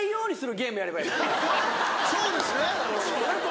そうですね。